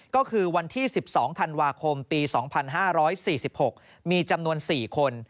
ก็คือวันที่๑๒ธันวาคมปี๒๕๔๖มีจำนวน๔คน